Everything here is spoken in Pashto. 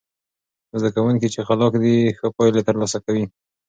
زده کوونکي چې خلاق دي، ښه پایلې ترلاسه کوي.